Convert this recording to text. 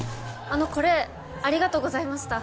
あのこれありがとうございました